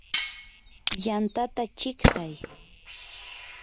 yantata chiqtay.